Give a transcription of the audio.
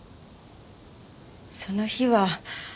その日は。